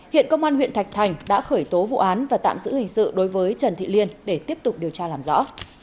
hiện công an huyện thạch thành đã khởi tố vụ án và tạm giữ hình sự đối với trần thị liên để tiếp tục điều tra làm rõ